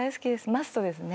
マストですね。